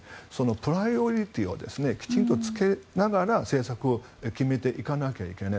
プライオリティーをきちんとつけながら政策を決めていかなきゃいけない。